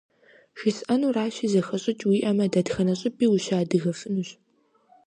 ЖысӀэнуращи, зэхэщӀыкӀ уиӀэмэ, дэнэ щӀыпӀи ущыадыгэфынущ.